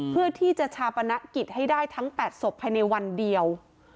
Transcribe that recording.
เพื่อที่จะชาปนกิจให้ได้ทั้ง๘ศพภายในวันเดียว